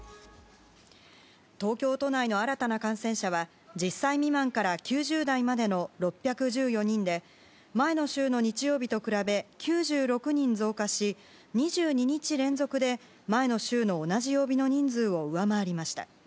東京都内の新たな感染者は１０歳未満から９０代までの６１４人で前の週の日曜日と比べ９６人増加し２２日連続で前の週の同じ曜日の人数を上回りました。